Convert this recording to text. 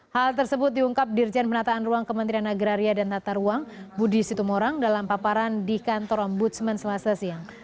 hal tersebut diungkap dirjen penataan ruang kementerian agraria dan tata ruang budi situmorang dalam paparan di kantor ombudsman selasa siang